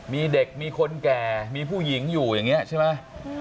มีเด็กมีคนแก่มีผู้หญิงอยู่อย่างนี้ใช่ไหม